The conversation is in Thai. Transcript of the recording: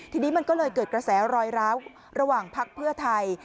ทีนี้มันก็เลยเกิดกระแสรอยร้าวระหว่างพักเพื่อไทย